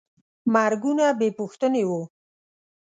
مرګونه بېپوښتنې وو.